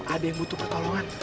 ada yang butuh pertolongan